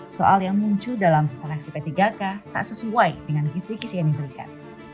soal yang muncul dalam seleksi p tiga k tak sesuai dengan kisi kisi yang diberikan